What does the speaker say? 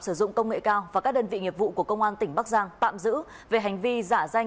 sử dụng công nghệ cao và các đơn vị nghiệp vụ của công an tỉnh bắc giang tạm giữ về hành vi giả danh